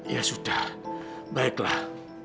ya sudah baiklah